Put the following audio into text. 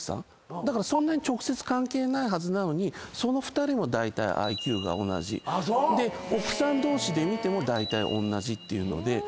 そんな直接関係ないはずなのにその２人もだいたいＩＱ同じ。で奥さん同士で見てもだいたいおんなじっていうので。